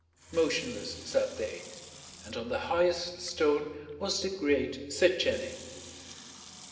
Motionless sat they, and on the highest stone was the great Setchène.